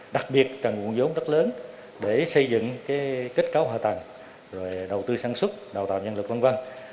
đặc biệt cần nguồn vốn rất lớn để xây dựng kết cấu hạ tầng đầu tư sản xuất đào tạo nhân lực v v